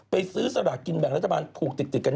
ซื้อสลากกินแบ่งรัฐบาลถูกติดกัน